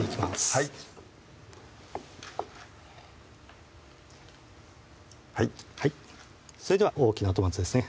はいはいそれでは大きなトマトですね